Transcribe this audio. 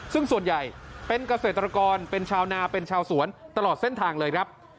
ซึ่งส่วนใหญ่เป็นเกษตรกรเป็นชาวนาเป็นชาวสวนตลอดเส้นทางเลยครับ